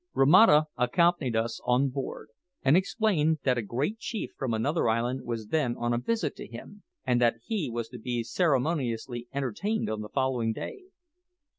Romata accompanied us on board, and explained that a great chief from another island was then on a visit to him, and that he was to be ceremoniously entertained on the following day.